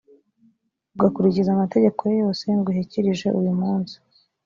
ugakurikiza amategeko ye yose ngushyikirije uyu munsi,